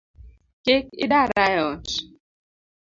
Kik idara eot